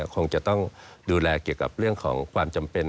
คงจะต้องดูแลเกี่ยวกับเรื่องของความจำเป็น